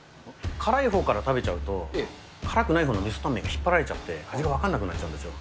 辛いほうから食べちゃうと、辛くないほうの味噌タンメンに引っ張られて、分かんなくなっちゃうんですよ。